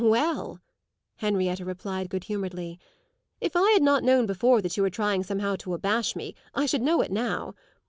"Well," Henrietta replied good humouredly, "if I had not known before that you were trying somehow to abash me I should know it now.